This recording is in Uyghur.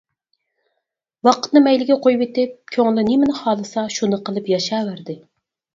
ۋاقىتنى مەيلىگە قويۇۋېتىپ، كۆڭلى نېمىنى خالىسا شۇنى قىلىپ ياشاۋەردى.